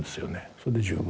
それで十分。